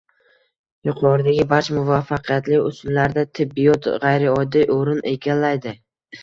Yuqoridagi barcha muvaffaqiyatli usullarda tibbiyot g'ayrioddiy o'rin egallaydi